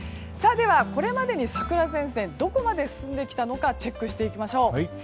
ではこれまでに桜前線どこまで進んできたのかチェックしましょう。